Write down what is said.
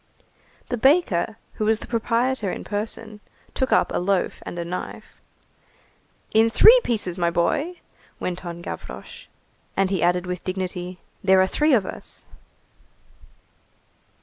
The baker, who was the proprietor in person, took up a loaf and a knife. "In three pieces, my boy!" went on Gavroche. And he added with dignity:— "There are three of us."